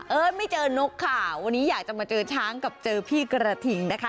ไม่เจอนกค่ะวันนี้อยากจะมาเจอช้างกับเจอพี่กระทิงนะคะ